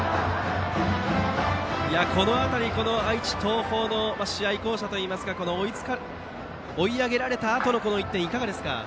この辺り、愛知・東邦の試合巧者といいますか追い上げられたあとの１点いかがですか？